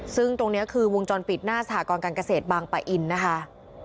ซึ่งตรงนี้คือวงจรปิดหน้าสหกรการเกษตรบางปะอินนะคะ